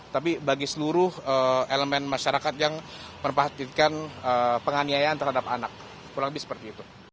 tapi bagi seluruh elemen masyarakat yang memperhatikan penganiayaan terhadap anak kurang lebih seperti itu